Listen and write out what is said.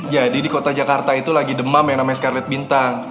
jadi di kota jakarta itu lagi demam yang namanya scarlet bintang